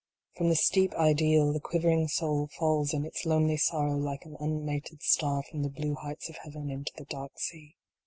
From the steep ideal the quivering soul falls in its lonely sorrow like an unmated star from the blue heights of Heaven into the dark sea.